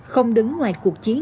không đứng ngoài cuộc chiến